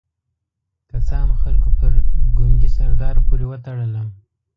که څه هم خلکو پر ګونګي سردار پورې وتړلم.